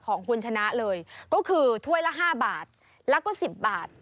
ของคุณชนะเลยก็คือถ้วยละ๕บาทแล้วก็๑๐บาท